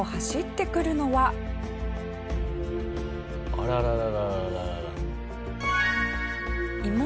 あららら。